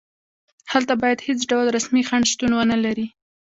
هلته باید هېڅ ډول رسمي خنډ شتون ونلري.